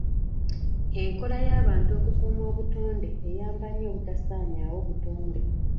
Enkola y'abantu okukuuma obutonde eyamba nnyo obutasaanyaawo butonde.